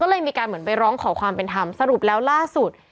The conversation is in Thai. ก็เลยมีการเหมือนไปร้องขอความเป็นธรรมสรุปแล้วล่าสุด